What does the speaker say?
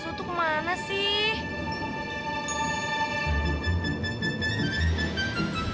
lo tuh kemana sih